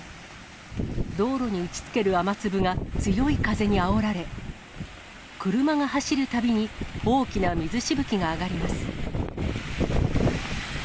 道路に打ちつける雨粒が強い風にあおられ、車が走るたびに大きな水しぶきが上がります。